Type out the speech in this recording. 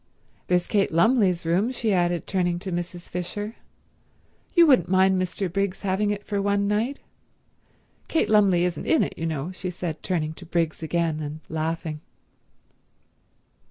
There's Kate Lumley's room," she added, turning to Mrs. Fisher. "You wouldn't mind Mr. Briggs having it for one night? Kate Lumley isn't in it, you know," she said turning to Briggs again and laughing.